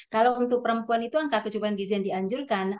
kalau untuk perempuan itu angka kecukupan gizi yang dianjurkan